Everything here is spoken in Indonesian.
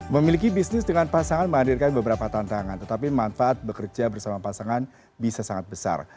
memiliki bisnis dengan pasangan menghadirkan beberapa tantangan tetapi manfaat bekerja bersama pasangan bisa sangat besar